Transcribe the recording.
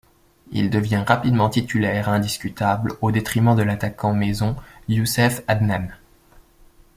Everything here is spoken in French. Il devient rapidement titulaire indiscutable au détriment de l'attaquant maison Youssef Adnane.